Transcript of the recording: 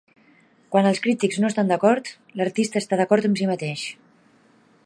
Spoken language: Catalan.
Quan els crítics no estan d'acord, l'artista està d'acord amb si mateix.